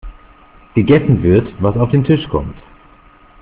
Gegessen wird, was auf den Tisch kommt.